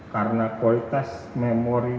karena kualitas memori